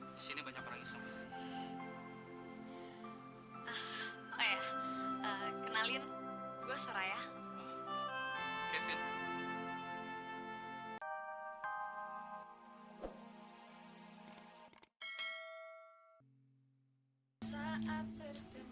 disini banyak orang yang sampai